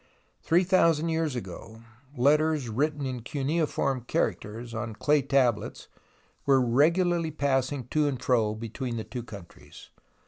Three thousand years ago letters written in cuneiform characters on clay tablets were regularly passing to and fro between the two countries.